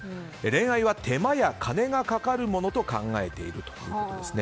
恋愛は手間や金がかかるものと考えているということです。